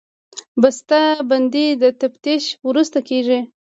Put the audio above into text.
بسته بندي د تفتیش وروسته کېږي.